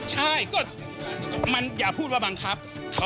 ใช่ก็มันอย่าพูดว่าบังคับ